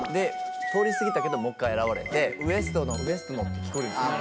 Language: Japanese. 通り過ぎたけどもう１回現れて「ＷＥＳＴのＷＥＳＴの」って聞こえるんですよ。